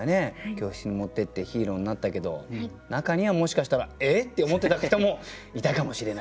教室に持ってってヒーローになったけど中にはもしかしたら「え！？」って思ってた人もいたかもしれないという。